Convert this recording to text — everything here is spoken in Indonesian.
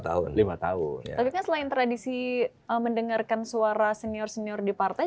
tapi kan selain tradisi mendengarkan suara senior senior di partai